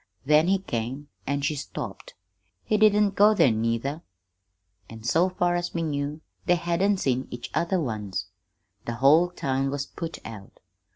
Then he came, an' she stopped. He didn't go there, neither, an', so far as we knew, they hadn't seen each other once. The whole town was put out.